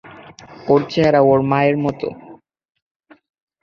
ওর চেহারা ওর মায়ের মতো।